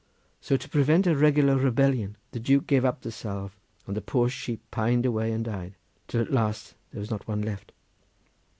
So to prevent a regular rebellion, the Duke gave up the salve and the poor sheep pined away and died, till at last there was not one left."